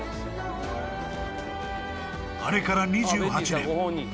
［あれから２８年。